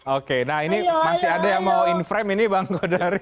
oke nah ini masih ada yang mau inframe ini bang kodari